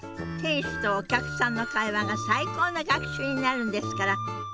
店主とお客さんの会話が最高の学習になるんですから。